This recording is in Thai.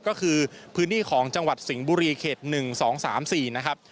ก็คือพื้นที่ของจังหวัดสิงห์บุรีเขต๑๒๓๔นะครับ